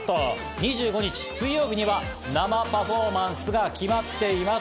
２５日水曜日には生パフォーマンスが決まっています。